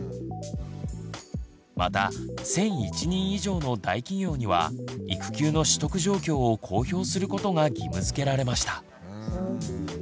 また１，００１人以上の大企業には育休の取得状況を公表することが義務づけられました。